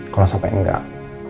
kalau sampai enggak